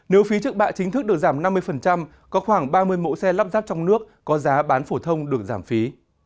nếu phí trước bạ chính thức được giảm năm mươi có khoảng ba mươi mẫu xe lắp ráp trong nước có giá bán phổ thông được giảm phí